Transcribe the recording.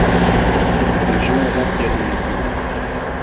الجو ممطر اليوم.